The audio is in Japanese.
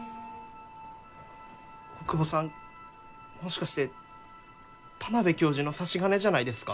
大窪さんもしかして田邊教授の差し金じゃないですか？